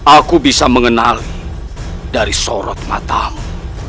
aku bisa mengenali dari sorot matamu